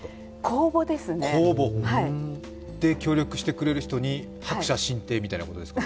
公募ですね。協力してくれる人に薄謝進呈ということですか？